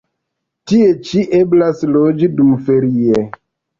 Tie ĉi eblas loĝi dumferie.